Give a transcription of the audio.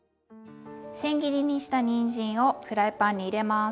せん切りにしたにんじんをフライパンに入れます。